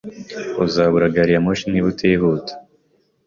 Uzabura gari ya moshi niba utihuta.